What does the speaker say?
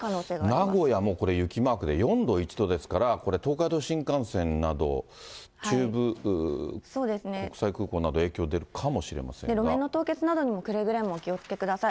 名古屋もこれ雪マークで、４度、１度ですから、これ、東海道新幹線など、中部国際空港など、路面の凍結などにもくれぐれもお気をつけください。